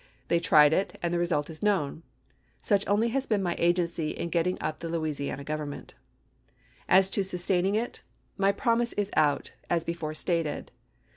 They tried it, and the result is known. Such only has been my agency in getting up the Louisiana government. " As to sustaining it, my promise is out, as before stated.